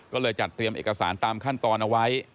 ก็เลยจัดเตรียมเอกสารตามขั้นตอนเอาไว้